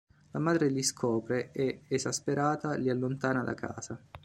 La madre li scopre, e, esasperata, li allontana da casa.